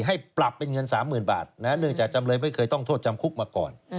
ให้ปรับเป็นเงิน๓๐๐๐บาทเนื่องจากจำเลยไม่เคยต้องโทษจำคุกมาก่อน